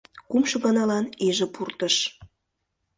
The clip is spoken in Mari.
Кумшо ганалан иже пуртыш.